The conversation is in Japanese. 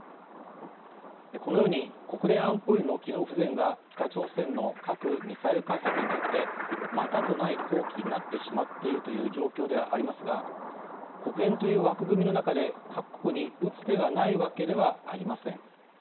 このように国連安保理の機能不全が北朝鮮の核・ミサイル開発にとってまたとない好機になってしまっているという状況ではありますが国連という枠組みの中で各国に打つ手がないわけではありません。